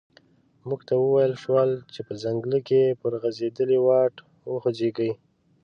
موږ ته و ویل شول چې په ځنګله کې پر غزیدلي واټ وخوځیږئ.